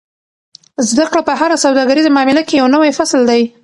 زده کړه په هره سوداګریزه معامله کې یو نوی فصل دی.